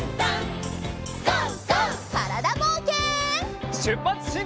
からだぼうけん。